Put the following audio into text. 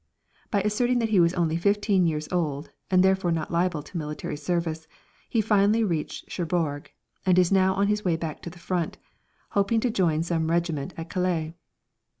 By asserting that he was only fifteen years old, and therefore not liable to military service, he finally reached Cherbourg, and is now on his way back to the front, hoping to join some regiment at Calais.